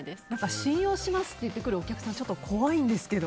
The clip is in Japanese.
信用しますって言ってくるお客さん、怖いんですけど。